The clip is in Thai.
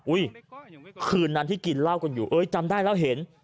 คืนนั้นที่กินเหล้ากันอยู่เอ้ยจำได้แล้วเห็น